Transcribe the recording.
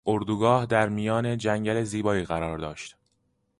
اردوگاه در میان جنگل زیبایی قرار داشت.